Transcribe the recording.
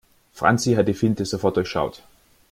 Franzi hat die Finte sofort durchschaut.